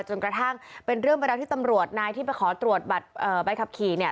จนกระทั่งเป็นเรื่องเวลาที่ตำรวจนายที่ไปขอตรวจบัตรใบขับขี่เนี่ย